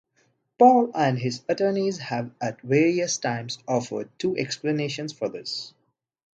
Paul and his attorneys have at various times offered two explanations for this.